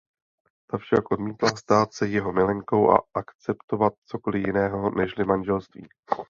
Ta však odmítla stát se jeho milenkou a akceptovat cokoli jiného nežli manželství.